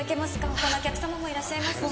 他のお客様もいらっしゃいますので。